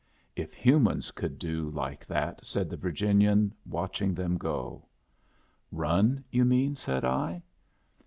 "If humans could do like that," said the Virginian, watching them go. "Run, you mean?" said I.